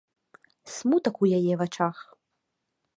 Смутак у яе вачах.